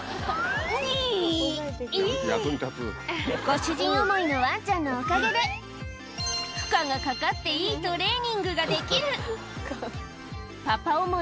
ご主人思いのわんちゃんのおかげで、負荷がかかっていいトレーニングができる。